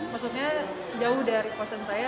maksudnya jauh dari konsen saya